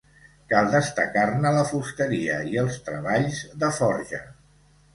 Cal destacar-ne la fusteria i els treballs de forja.